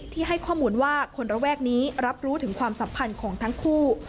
ให้ข้อมูลว่าคนระแวกนี้รับรู้ถึงความสัมพันธ์ของทั้งคู่